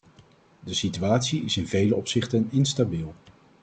De situatie is in vele opzichten instabiel.